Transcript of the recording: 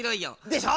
でしょ。